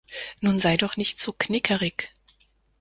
Nun sei doch nichr so knickerig!